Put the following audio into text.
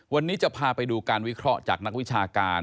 วันนี้จะพาไปดูการวิเคราะห์จากนักวิชาการ